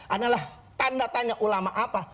adalah tanda tanya ulama apa